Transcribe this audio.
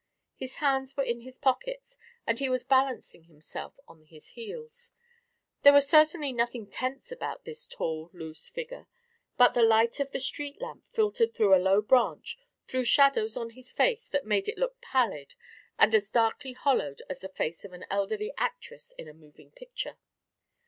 His hands were in his pockets, and he was balancing himself on his heels. There was certainly nothing tense about his tall loose figure, but the light of the street lamp, filtered through a low branch, threw shadows on his face that made it look pallid and as darkly hollowed as the face of an elderly actress in a moving picture.